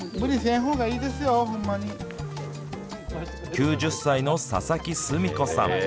９０歳の佐々木すみ子さん。